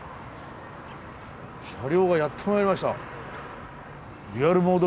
車両がやってまいりました。